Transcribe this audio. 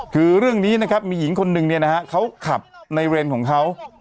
คือเรื่องนี้นะครับมีหญิงคนหนึ่งเนี่ยนะฮะเขาขับในเรนของเขา